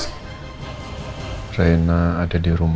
sekarang biasa habu bikin p ancam kakit di latar semesta